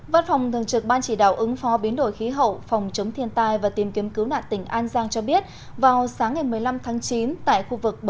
văn phòng thường trực ban chỉ đạo ứng phó biến đổi khí hậu phòng chống thiên tai và tìm kiếm cứu nạn tỉnh an giang cho biết vào sáng ngày một mươi năm tháng chín tại khu vực